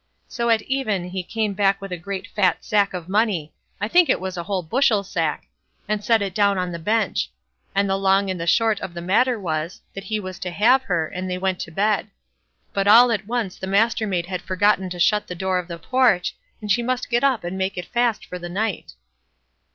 So at even he came back with a great fat sack of money—I think it was a whole bushel sack—and set it down on the bench; and the long and the short of the matter was, that he was to have her, and they went to bed. But all at once the Mastermaid had forgotten to shut the door of the porch, and she must get up and make it fast for the night.